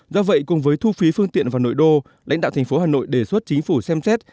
do vậy cùng với thu phí phương tiện vào nội đô lãnh đạo thành phố hà nội đề xuất chính phủ xem xét